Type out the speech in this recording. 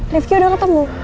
rifki udah ketemu